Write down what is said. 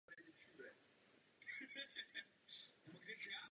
Celý svůj profesní život se věnuje problematice zdravotnictví.